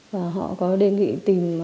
và họ có đề nghị tìm